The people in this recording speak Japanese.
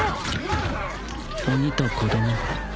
鬼と子供